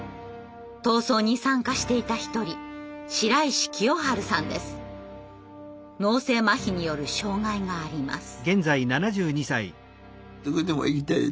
闘争に参加していた一人脳性まひによる障害があります。